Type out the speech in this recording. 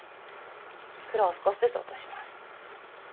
黒を少しずつ落とします。